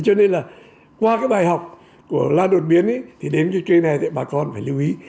cho nên là qua cái bài học của lo đột biến thì đến cái chuyện này thì bà con phải lưu ý